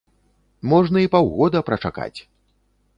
Можна і паўгода прачакаць!